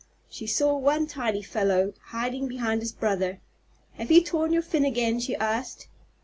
She saw one tiny fellow hiding behind his brother. "Have you torn your fin again?" she asked.